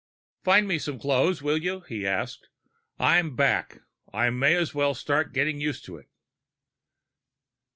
"Find me some clothes, will you?" he asked. "I'm back. I might as well start getting used to it."